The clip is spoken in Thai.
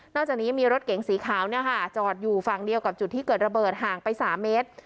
จากนี้มีรถเก๋งสีขาวจอดอยู่ฝั่งเดียวกับจุดที่เกิดระเบิดห่างไป๓เมตร